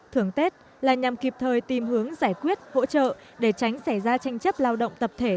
thường tết là nhằm kịp thời tìm hướng giải quyết hỗ trợ để tránh xảy ra tranh chấp lao động tập thể